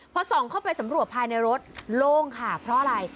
พอส่องเข้าไปสำรวจภายในรถโล่งค่ะเพราะอะไร